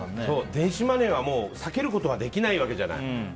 電子マネーは避けることはできないわけじゃない。